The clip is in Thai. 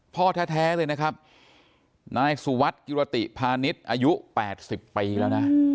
พ่อแท้เลยนะครับนายสุวัสดิ์กิรติพาณิชย์อายุ๘๐ปีแล้วนะ